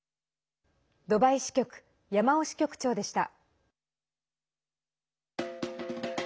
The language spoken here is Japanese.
ドバイ支局、山尾支局長でした。